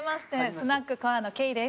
スナックコアのケイです。